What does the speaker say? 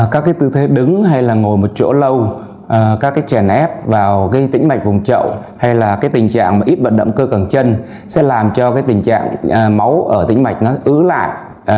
các tư thế đứng hay ngồi một chỗ lâu các tràn ép vào gây tĩnh mạch vùng trậu hay tình trạng ít vận động cơ càng chân sẽ làm cho tình trạng máu ở tĩnh mạch ứ lại